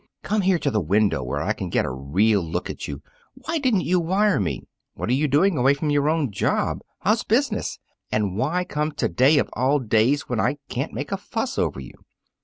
"Come here to the window where I can get a real look at you! Why didn't you wire me? What are you doing away from your own job? How's business? And why come to day, of all days, when I can't make a fuss over you?"